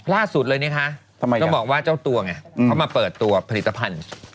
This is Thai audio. ล่าสุดเลยนะคะต้องบอกว่าเจ้าตัวไงเขามาเปิดตัวผลิตภัณฑ์